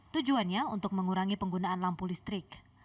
tujuannya untuk mengurangi penggunaan lampu listrik